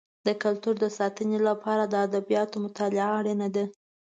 د کلتور د ساتنې لپاره د ادبیاتو مطالعه اړینه ده.